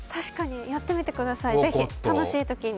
ぜひやってみてください、楽しいときに。